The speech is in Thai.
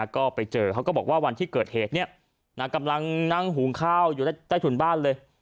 ก็ไปเจอเขาก็บอกว่าวันที่เกิดเหตุกำลังนั่งหุงข้าวอยู่ใต้ถุนบ้านเลย